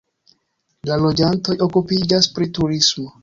La loĝantoj okupiĝas pri turismo.